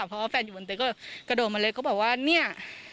เพราะว่าแฟนอยู่บนตึกก็กระโดดมาเลยก็บอกว่าเนี่ย